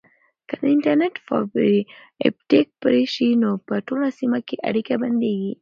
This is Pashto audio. که د انټرنیټ فایبر اپټیک پرې شي نو په ټوله سیمه کې اړیکه بندیږي.